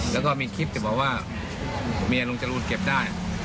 แล้วก็มีคลิปที่บอกว่าเมียลุงจรูนเก็บได้